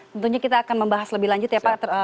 tentunya kita akan membahas lebih lanjut ya pak